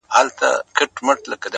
او د خپل زړه په تصور كي مي!!